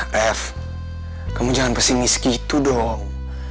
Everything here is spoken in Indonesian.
ref kamu jangan pesingi segitu dong